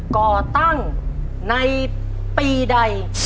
ก่อตั้งในปีใด